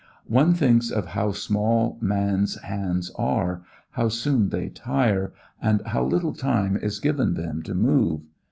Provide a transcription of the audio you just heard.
One thinks of how small man's hands are, how soon they tire, and how little time is given them to move.